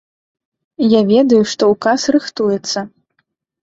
Я ведаю, што ўказ рыхтуецца.